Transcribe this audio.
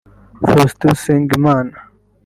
Faustin Usengimana